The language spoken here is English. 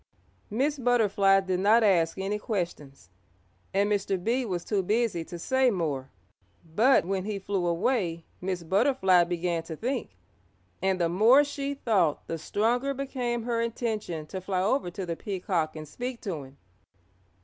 Miss Butterfly did not ask any questions, and Mr. Bee was too busy to say more. But when he flew away Miss Butterfly began to think, and the more she thought the stronger became her intention to fly over to the Peacock and speak to him.